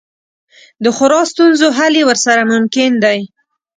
د خورا ستونزو حل یې ورسره ممکن دی.